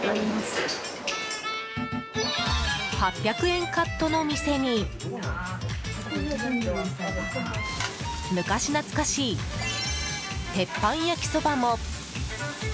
８００円カットの店に昔懐かしい鉄板焼きそばも。